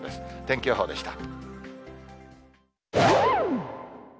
天気予報でした。